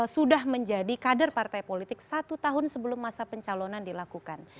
sudah menjadi kader partai politik satu tahun sebelum masa pencalonan dilakukan